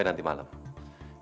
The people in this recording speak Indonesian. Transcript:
jangan ada similarly